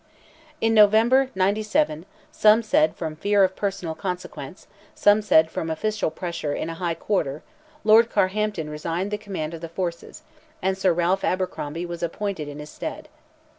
In November, '97, some said from fear of personal consequences, some from official pressure in a high quarter, Lord Carhampton resigned the command of the forces, and Sir Ralph Abercromby was appointed in his stead.